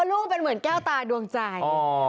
ลูกเป็นเหมือนแก้วตาดวงใจ